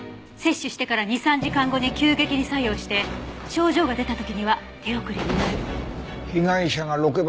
摂取してから２３時間後に急激に作用して症状が出た時には手遅れになる。